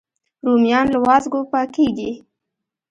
رومیان له وازګو پاکېږي